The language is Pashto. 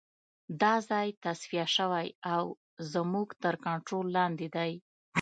دا ځای تصفیه شوی او زموږ تر کنترول لاندې دی